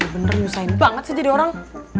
bener nyuciin banget sih jadi orang